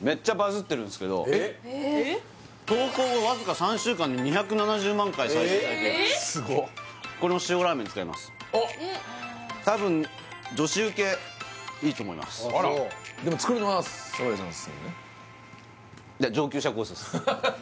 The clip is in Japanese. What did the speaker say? めっちゃバズってるんですけどえっ投稿後わずか３週間で２７０万回再生されてるこれも塩ラーメン使いますたぶん女子ウケいいと思いますですもんね